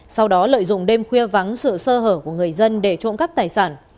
sau đó lợi dụng đêm khuya vắng sự sơ hở của người dân để trộn cắt tài sản